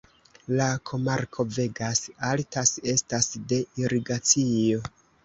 La komarko Vegas Altas estas de irigacio.